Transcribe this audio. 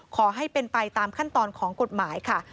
ขอให้เป็นไปตามขั้นตอนของกฎหมายค่ะ